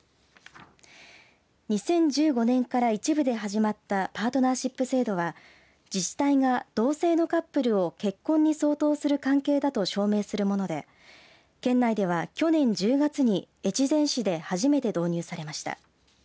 ２０１５年から一部で始まったパートナーシップ制度は自治体が同性のカップルを結婚に相当する関係だと証明するもので、県内では去年１０月に越前市で初めて導入されました。